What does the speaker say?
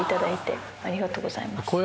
ありがとうございます。